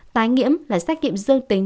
tài nhiễm là xét nghiệm dương tính